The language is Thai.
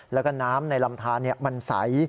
แล้วก็น้ำในลำทานมันใส